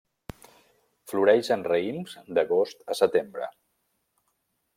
Floreix en raïms d'agost a setembre.